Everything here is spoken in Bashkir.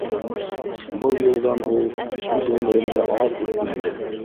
Был юлдан ул үҙ ғүмерендә аҙ үтмәне.